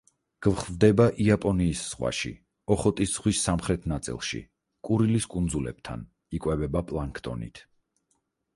გვხვდება იაპონიის ზღვაში, ოხოტის ზღვის სამხრეთ ნაწილში, კურილის კუნძულებთან, იკვებება პლანქტონით.